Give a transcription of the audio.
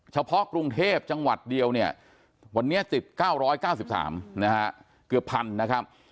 เฉพาะกรุงเทพจังหวัดเดียวเนี่ยวันนี้ติด๙๙๓นะฮะเกือบ๑๐๐นะครับ